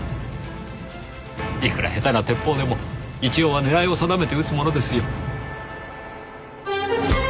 いくら下手な鉄砲でも一応は狙いを定めて撃つものですよ。